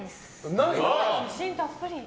自信たっぷり。